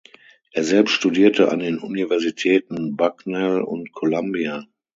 Er selbst studierte an den Universitäten Bucknell und Columbia.